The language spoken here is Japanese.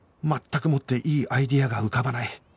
全くもっていいアイデアが浮かばない